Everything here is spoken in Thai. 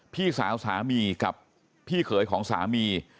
พี่สาวสามีกับพี่เขยของสามี